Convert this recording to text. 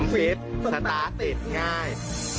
ฟิตสตาร์ทติดง่าย